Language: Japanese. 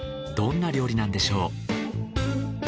どんな料理なんでしょう？